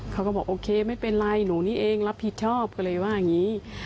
เขาก็บอกโอเคไม่เป็นไรหนูนี่เองรับผิดชอบก็เลยว่าอย่างนี้